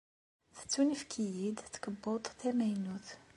Tettunefk-iyi-d tkebbuḍt tamaynut.